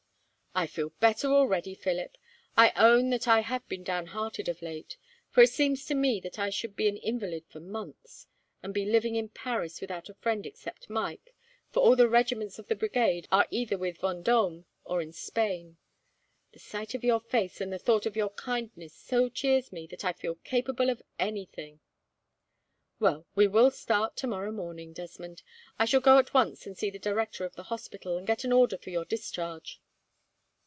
"I feel better already, Philip. I own that I have been downhearted of late, for it seemed to me that I should be an invalid for months, and be living in Paris without a friend except Mike, for all the regiments of the Brigade are either with Vendome or in Spain. The sight of your face, and the thought of your kindness, so cheers me that I feel capable of anything." "Well, we will start tomorrow morning, Desmond. I shall go at once and see the director of the hospital, and get an order for your discharge."